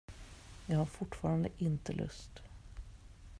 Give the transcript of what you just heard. Jag har fortfarande inte lust.